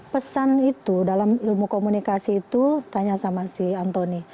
pesan itu dalam ilmu komunikasi itu tanya sama si antoni